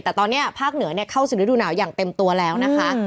แต่ตอนนี้ภาคเหนือเข้าสู่ฤดูหนาวอย่างเต็มตัวแล้วนะคะ